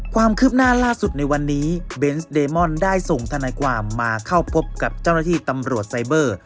ความคืบหน้าล่าสุดในวันนี้เบนส์เดมอนได้ส่งทนายความมาเข้าพบกับเจ้าหน้าที่ตำรวจไซเบอร์